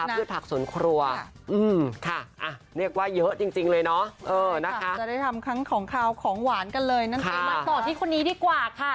พืชผักสวนครัวค่ะเรียกว่าเยอะจริงเลยเนาะนะคะจะได้ทำทั้งของขาวของหวานกันเลยนั่นเองมาต่อที่คนนี้ดีกว่าค่ะ